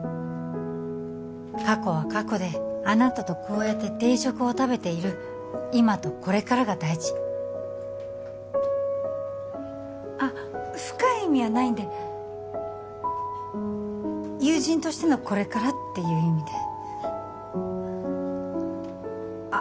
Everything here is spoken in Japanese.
過去は過去であなたとこうやって定食を食べている今とこれからが大事あ深い意味はないんで友人としてのこれからっていう意味であ